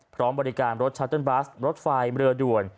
พร้อมบริการรถชัตเติ้บัสรถไฟเรือด่วน